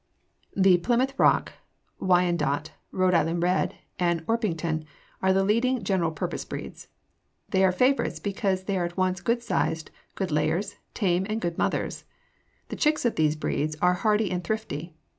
The Plymouth Rock, Wyandotte, Rhode Island Red, and Orpington are the leading general purpose breeds. They are favorites because they are at once good sized, good layers, tame, and good mothers. The chicks of these breeds are hardy and thrifty.